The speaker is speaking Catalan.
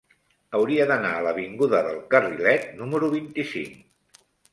Hauria d'anar a l'avinguda del Carrilet número vint-i-cinc.